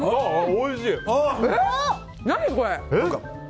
おいしい！